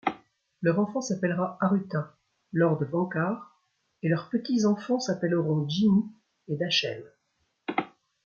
Leur enfant s'appellera Arutha, lord Vencar, et leurs petits-enfants s'appelleront Jimmy et Dashel.